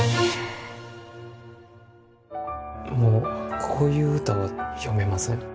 もうこういう歌は詠めません。